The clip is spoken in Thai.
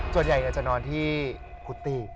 ส่วนใหญ่เนี่ยจะนอนที่หุตติก